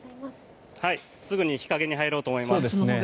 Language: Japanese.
すぐに日陰に入ろうと思います。